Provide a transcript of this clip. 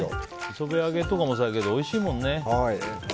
磯辺揚げもそうだけどおいしいもんね。